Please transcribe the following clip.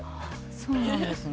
そうなんですね。